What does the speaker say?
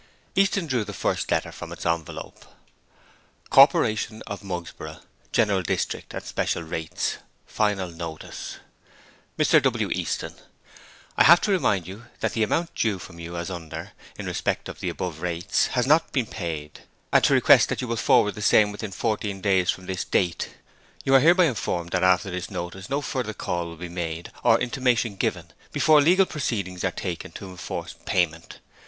Easton drew the first letter from its envelope. CORPORATION OF MUGSBOROUGH General District and Special Rates FINAL NOTICE MR W. EASTON, I have to remind you that the amount due from you as under, in respect of the above Rates, has not been paid, and to request that you will forward the same within Fourteen Days from this date. You are hereby informed that after this notice no further call will be made, or intimation given, before legal proceedings are taken to enforce payment.